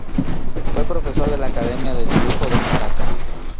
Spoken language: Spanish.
Fue profesor de la Academia de Dibujo de Caracas.